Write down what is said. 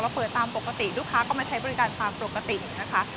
เปิดตามปกติลูกค้าก็มาใช้บริการตามปกตินะคะ